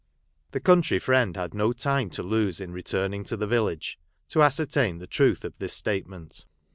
The country friend had no time to lose in returning to the village, to ascertain the truth of this statement.